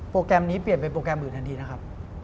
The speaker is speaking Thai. แกรมนี้เปลี่ยนเป็นโปรแกรมอื่นทันทีนะครับ